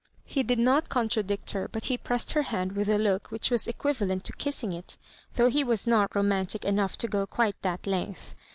He did not contradict her, but he pressed her hand with a look which was equivalent to kissing it, though he was not romantic enough to go quite that length.